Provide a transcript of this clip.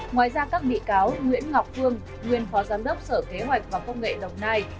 ngoài ra các bị cáo nguyễn ngọc phương nguyên phó giám đốc sở kế hoạch và công nghệ đồng nai